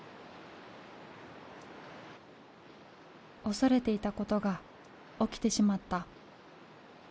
恐れていたことが起きてしまった。